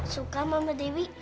suka mama dewi